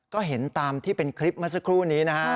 ก็เห็นตามที่เป็นคลิปเมื่อสักครู่นี้นะฮะ